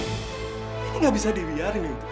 ini gak bisa dibiarin uci